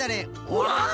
うわ！